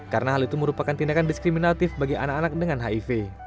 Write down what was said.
karena hal itu merupakan tindakan diskriminatif bagi anak anak dengan hiv